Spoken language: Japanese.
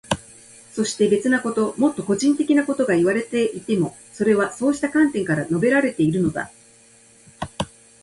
そして、別なこと、もっと個人的なことがいわれていても、それはそうした観点から述べられているのだ。